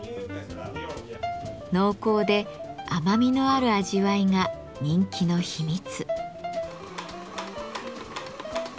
濃厚で甘みのある味わいが人気の秘密。